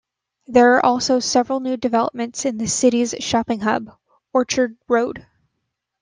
There are also several new developments in the city's shopping hub, Orchard Road.